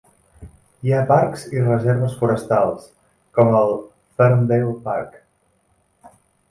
Hi ha parcs i reserves forestals, com el Ferndale Park.